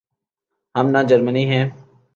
ہم نہ جرمنی ہیں۔